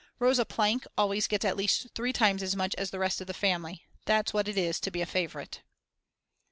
Rosa Plank always gets at least three times as much as the rest of the family, that's what it is to be a favourite.